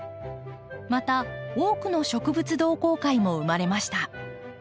また多くの植物同好会も生まれました。